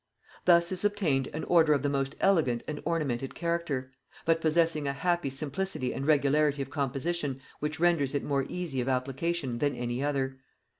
Thus is obtained an order of the most elegant and ornamented character, but possessing a happy simplicity and regularity of composition which renders it more easy of application than any other.